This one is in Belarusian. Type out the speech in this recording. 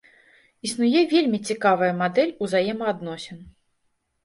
Існуе вельмі цікавая мадэль узаемаадносін.